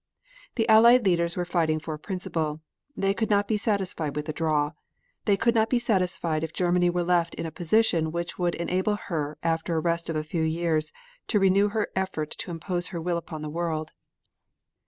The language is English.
The Allied leaders were fighting for a principle. They could not be satisfied with a draw. They could not be satisfied if Germany were left in a position which would enable her after a rest of a few years to renew her effort to impose her will upon the world.